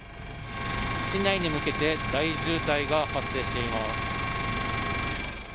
市内に向けて大渋滞が発生しています。